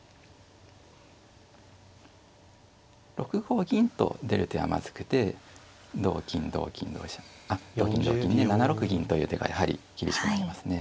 ６五銀と出る手はまずくて同金同金同飛車あっ同金同金に７六銀という手がやはり厳しくなりますね。